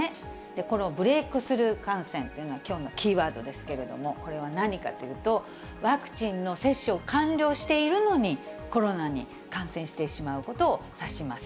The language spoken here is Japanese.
このブレークスルー感染というのがきょうのキーワードですけれども、これは何かというと、ワクチンの接種を完了しているのに、コロナに感染してしまうことを指します。